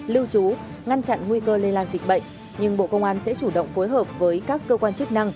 lưu trú ngăn chặn nguy cơ lây lan dịch bệnh nhưng bộ công an sẽ chủ động phối hợp với các cơ quan chức năng